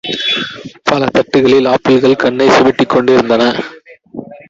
பல தட்டுகளில் ஆப்பிள்கள் கண்ணைச் சிமிட்டிக் கொண்டி ருந்தன.